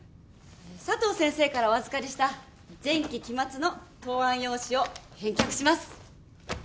佐藤先生からお預かりした前期期末の答案用紙を返却します。